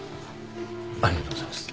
ありがとうございます。